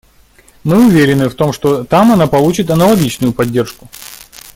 Мы уверены в том, что там она получит аналогичную поддержку.